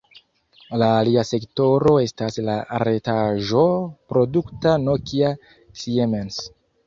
La alia sektoro estas la retaĵo-produkta Nokia-Siemens.